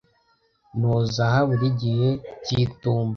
Noza aha buri gihe cy'itumba.